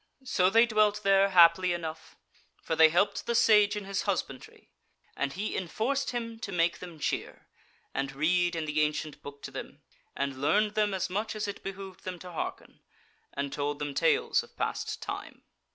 So they dwelt there happily enough; for they helped the Sage in his husbandry, and he enforced him to make them cheer, and read in the ancient book to them, and learned them as much as it behoved them to hearken; and told them tales of past time.